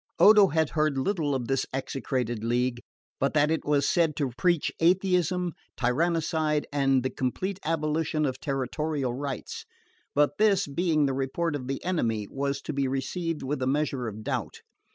Odo had heard little of this execrated league, but that it was said to preach atheism, tyrannicide and the complete abolition of territorial rights; but this, being the report of the enemy, was to be received with a measure of doubt.